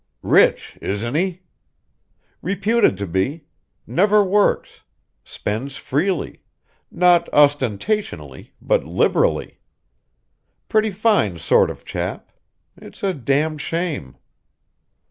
"Rich, isn't he?" "Reputed to be. Never works; spends freely not ostentatiously, but liberally. Pretty fine sort of a chap. It's a damned shame!"